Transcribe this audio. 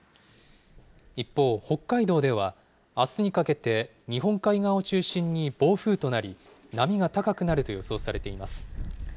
一方、北海道ではあすにかけて、日本海側を中心に暴風となり、波が高くなると予想されています。